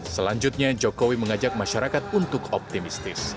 selanjutnya jokowi mengajak masyarakat untuk optimistis